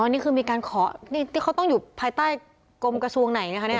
นี่คือมีการขอที่เขาต้องอยู่ภายใต้กรมกระทรวงไหนนะคะเนี่ย